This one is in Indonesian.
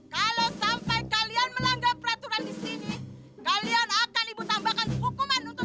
kalau sampai kalian melanggar peraturan di sini kalian akan ibu tanggung